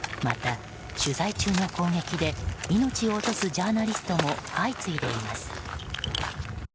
また、取材中の攻撃で命を落とすジャーナリストも相次いでいます。